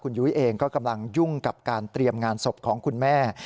ยุ้ยเองก็กำลังยุ่งกับการเตรียมงานศพของคุณแม่